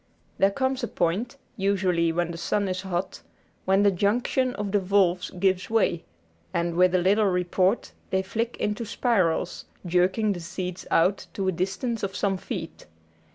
There comes a point, usually when the sun is hot, when the junction of the valves gives way, and, with a little report, they flick into spirals, jerking the seeds out to a distance of some feet.